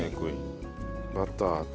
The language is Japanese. バターと。